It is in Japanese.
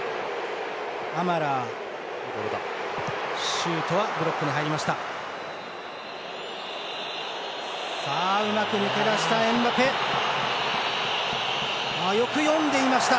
シュートはブロックに入りました。